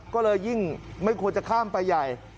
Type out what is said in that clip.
ก็เลยยิ่งไม่ควรจะข้ามไปใหญ่